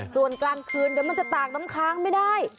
ส่วนกลางคืนเดี๋ยวมันจะตากน้ำค้างไม่ได้